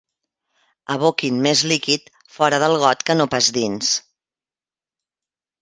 Aboquin més líquid fora del got que no pas dins.